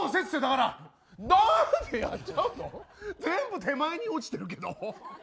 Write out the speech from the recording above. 全部手前に落ちてるけど。